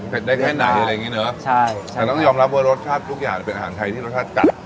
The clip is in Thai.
ได้แค่ไหนอะไรอย่างงี้เนอะใช่ใช่แต่ต้องยอมรับว่ารสชาติทุกอย่างเป็นอาหารไทยที่รสชาติจัด